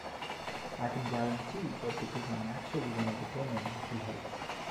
I can guarantee that because I am actually one of the women he helped.